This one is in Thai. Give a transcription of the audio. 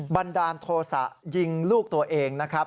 บันดาลโทษะยิงลูกตัวเองนะครับ